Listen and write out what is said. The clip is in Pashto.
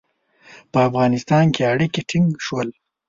په افغانستان کې اړیکي ټینګ شول.